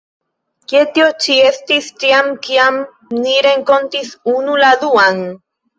Kie tio ĉi estis tiam, kiam ni renkontis unu la duan?